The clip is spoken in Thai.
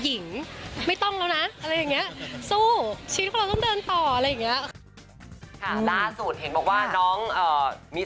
หญิงไม่ต้องแล้วนะอะไรอย่างนี้